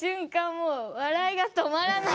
もう笑いが止まらない。